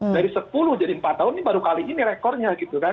dari sepuluh jadi empat tahun ini baru kali ini rekornya gitu kan